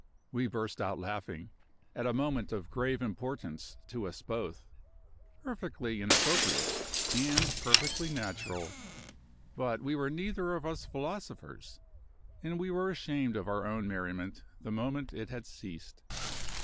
We burst out laughing, at a moment of grave importance to us both. Perfectly inappropriate, and perfectly natural. But we were neither of us philosophers, and we were ashamed of our own merriment the moment it had ceased.